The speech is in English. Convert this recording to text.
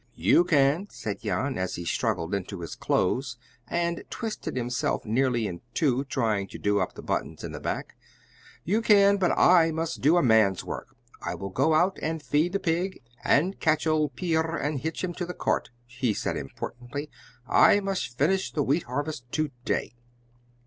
"You can," said Jan, as he struggled into his clothes, and twisted himself nearly in two trying to do up the buttons in the back; "you can, but I must do a man's work! I will go out and feed the pig and catch old Pier and hitch him to the cart," he said importantly. "I must finish the wheat harvest to day."